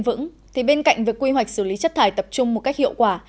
bền vững thì bên cạnh việc quy hoạch xử lý chất thải tập trung một cách hiệu quả